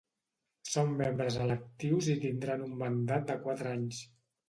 Són membres electius i tindran un mandat de quatre anys.